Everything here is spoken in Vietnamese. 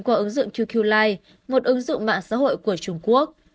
qua ứng dụng qq li một ứng dụng mạng xã hội của trung quốc